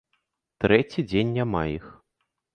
Трэці дзень няма іх.